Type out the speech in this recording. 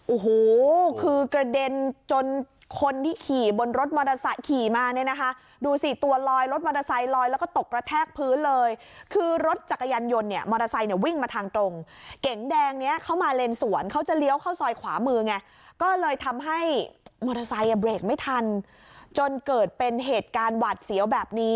โอ้โหคือกระเด็นจนคนที่ขี่บนรถมอเตอร์ไซค์ขี่มาเนี่ยนะคะดูสิตัวลอยรถมอเตอร์ไซค์ลอยแล้วก็ตกกระแทกพื้นเลยคือรถจักรยานยนต์เนี่ยมอเตอร์ไซค์เนี่ยวิ่งมาทางตรงเก๋งแดงเนี้ยเข้ามาเลนสวนเขาจะเลี้ยวเข้าซอยขวามือไงก็เลยทำให้มอเตอร์ไซค์อ่ะเบรกไม่ทันจนเกิดเป็นเหตุการณ์หวาดเสียวแบบนี้